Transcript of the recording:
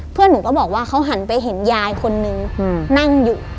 เพื่อนหนูก็บอกว่าเขาหันไปเห็นยายคนนึงนั่งอยู่